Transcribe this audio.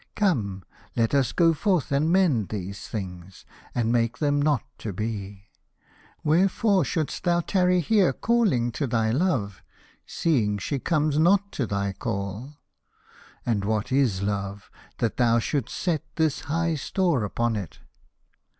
Come, let us go forth and mend these things, and make them not to be. Wherefore should'st thou tarry here calling to thy love, seeing she comes not to thy call ? And what is love, that thou should'st set this high store upon it